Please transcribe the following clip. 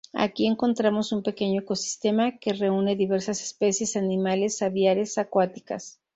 Aquí encontramos un pequeño ecosistema que reúne diversas especies animales aviares acuáticas.